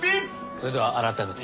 それでは改めて。